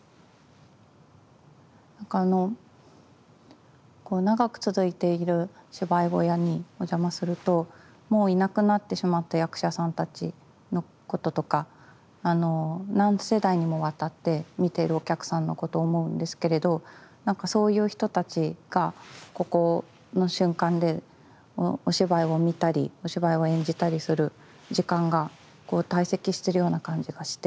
なんかあの長く続いている芝居小屋にお邪魔するともういなくなってしまった役者さんたちのこととか何世代にもわたって見てるお客さんのことを思うんですけれどなんかそういう人たちがここの瞬間でお芝居を見たりお芝居を演じたりする時間がこう堆積してるような感じがして。